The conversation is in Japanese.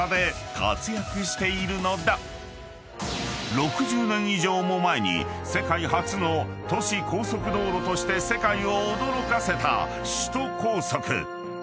［６０年以上も前に世界初の都市高速道路として世界を驚かせた首都高速］